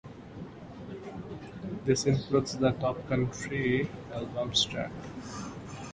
This included the Top Country Albums chart.